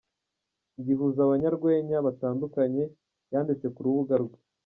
gihuza abanyarwenya batandukanye, yanditse ku rubuga rwe.